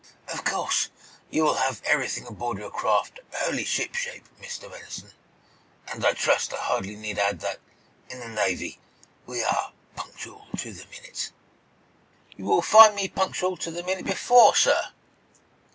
"Of course you will have everything aboard your craft wholly shipshape, Mr. Benson, and I trust I hardly need add that, in the Navy, we are punctual to the minute." "You will find me punctual to the minute before, sir."